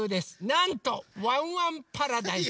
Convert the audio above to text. なんと「ワンワンパラダイス」。